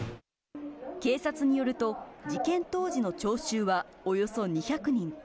警察によると、事件当時の聴衆はおよそ２００人。